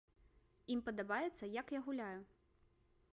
Ім падабаецца, як я гуляю.